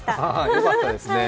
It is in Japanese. よかったですね。